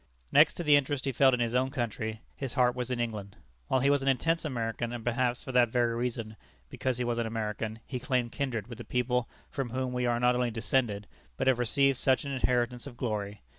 Next to the interest he felt in his own country, his heart was in England. While he was an intense American, and perhaps, for that very reason, because he was an American, he claimed kindred with the people from whom we are not only descended, but have received such an inheritance of glory.